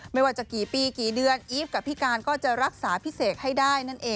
ไม่ว่าจะกี่ปีกี่เดือนอีฟกับพิการก็จะรักษาพิเศษให้ได้